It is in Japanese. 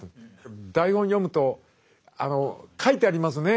台本読むと書いてありますね